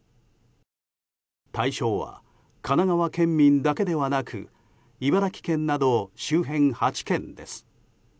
対象は神奈川県民だけではなく茨城県など周辺８県です。